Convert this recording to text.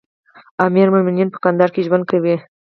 امير المؤمنين په کندهار کې ژوند کوي.